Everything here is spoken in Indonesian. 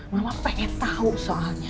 mama pengen tahu soalnya